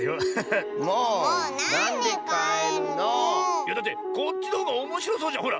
いやだってこっちのほうがおもしろそうじゃんほら。